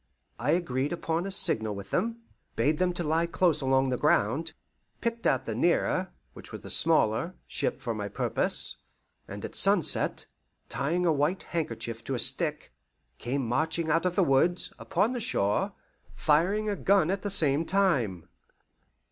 I agreed upon a signal with them, bade them to lie close along the ground, picked out the nearer (which was the smaller) ship for my purpose, and at sunset, tying a white handkerchief to a stick, came marching out of the woods, upon the shore, firing a gun at the same time.